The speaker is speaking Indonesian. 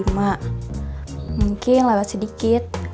mungkin lewat sedikit